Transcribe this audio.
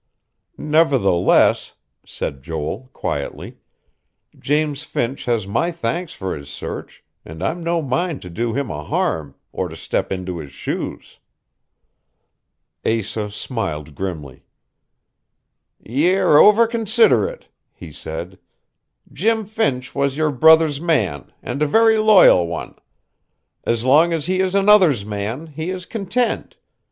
"Nevertheless," said Joel quietly, "James Finch has my thanks for his search; and I'm no mind to do him a harm, or to step into his shoes." Asa smiled grimly. "Ye're over considerate," he said. "Jim Finch was your brother's man, and a very loyal one. As long as he is another's man, he is content.